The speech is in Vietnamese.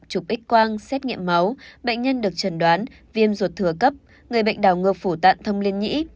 trục ích quang xét nghiệm máu bệnh nhân được trần đoán viêm ruột thừa cấp người bệnh đào ngược phủ tạng thông liên nhĩ